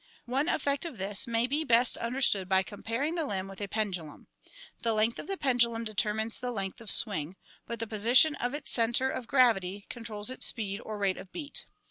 One effect of this may be best understood by compar ing the limb with a pendulum. The length of the pendulum de termines the length of swing, but the position of its center of gravity controls its speed or rate of beat.